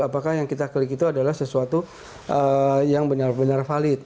apakah yang kita klik itu adalah sesuatu yang benar benar valid